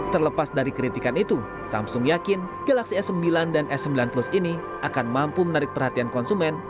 terlepas dari kritikan itu samsung yakin galaxy s sembilan dan s sembilan plus ini akan mampu menarik perhatian konsumen